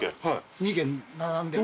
２軒並んでる。